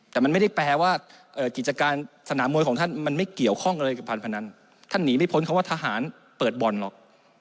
แต่มันไม่ได้แปลว่ากิจการสนามมวยของท่านมันไม่เกี่ยวข้องอะไรกับการพนันท่านหนีไม่พ้นคำว่าทหารเปิดบ่อนหรอก